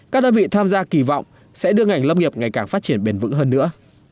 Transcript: phát triển bền vững hơn nữa